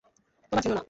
তোমার জন্য না।